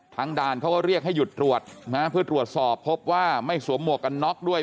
ด่านเขาก็เรียกให้หยุดตรวจนะฮะเพื่อตรวจสอบพบว่าไม่สวมหมวกกันน็อกด้วย